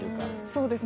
そうです。